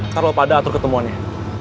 ntar lo pada atur ketemuannya